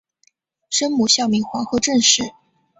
生母孝明皇后郑氏。